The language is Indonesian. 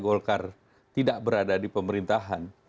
golkar tidak berada di pemerintahan